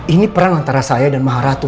ini perang antara saya dan maharatu